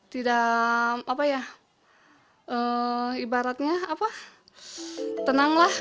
tidak apa ya ibaratnya apa tenang lah